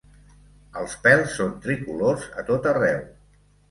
Els pèls són tricolors a tot arreu.